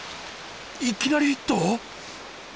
いきなりヒット⁉え！